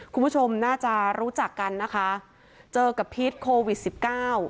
คุณผู้ชมน่าจะรู้จักกันนะคะเจอกับพิษโควิดสิบเก้า